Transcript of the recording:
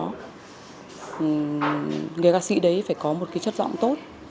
người ca sĩ đấy phải có một cái chất giọng tốt